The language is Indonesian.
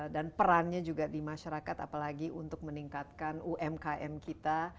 dan perannya juga di masyarakat apalagi untuk meningkatkan umkm kita